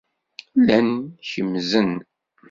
Llan kemmzen.